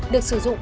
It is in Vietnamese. được sử dụng